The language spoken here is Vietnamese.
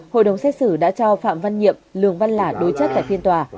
hội đồng xét xử đã cho phạm văn nhiệm lường văn lả đối chất tại phiên tòa